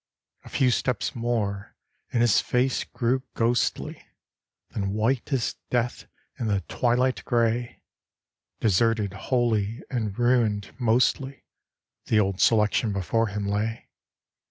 A few steps more and his face grew ghostly, Then white as death in the twilight grey; Deserted wholly, and ruined mostly, The Old Selection before him lay.